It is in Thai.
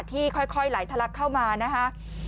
ที่ค่อยไหลทะลักเข้ามานะคะ